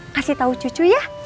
kasih tau cucu ya